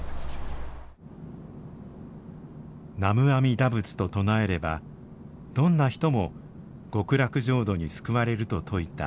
南無阿弥陀仏と唱えればどんな人も極楽浄土に救われると説いた法然。